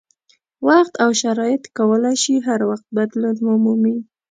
وخت او شرایط کولای شي هر وخت بدلون ومومي.